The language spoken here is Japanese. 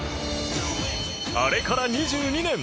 あれから２２年